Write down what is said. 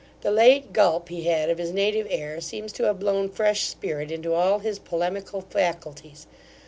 The late gulp he had of his native air, seems to have blown fresh spirit into all his polemical faculties.